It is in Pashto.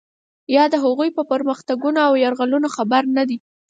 یا د هغوی په پرمختګونو او یرغلونو خبر نه دی.